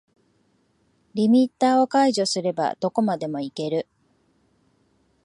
リミッターを解除すればどこまでもいける